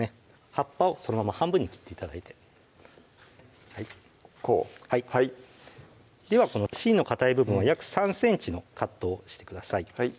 葉っぱをそのまま半分に切って頂いてこうはいではこの芯のかたい部分は約３ｃｍのカットをしてください